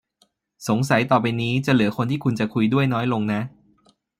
สงสัยต่อไปนี้ จะเหลือคนที่คุณจะคุยด้วยน้อยลงนะ